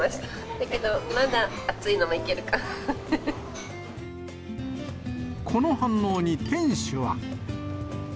だけど、この反応に店主は。